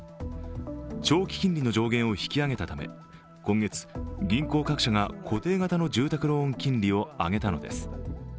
長期金利の上限を引き上げたため今月、銀行各社が固定型の住宅ローン金利を上げたのです。